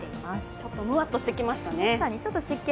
ちょっとむわっとしてきましたね。